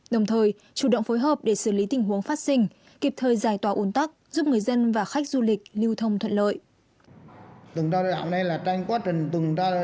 đồng thời chủ động phối hợp để xử lý tình huống phát sinh kịp thời giải tỏa uốn tắc giúp người dân và khách du lịch lưu thông thuận lợi